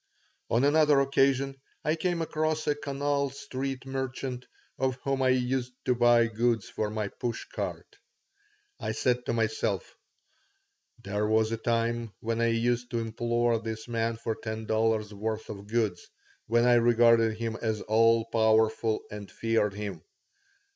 On another occasion I came across a Canal Street merchant of whom I used to buy goods for my push cart. I said to myself: "There was a time when I used to implore this man for ten dollars' worth of goods, when I regarded him as all powerful and feared him.